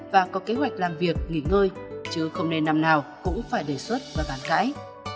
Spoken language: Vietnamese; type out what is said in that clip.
và có kế hoạch làm việc nghỉ ngơi chứ không nên năm nào cũng phải đề xuất và bàn cãi